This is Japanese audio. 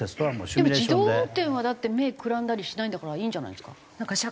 でも自動運転はだって目くらんだりしないんだからいいんじゃないですか？